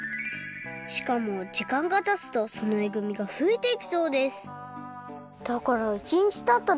しかも時間がたつとそのえぐみがふえていくそうですだから１にちたった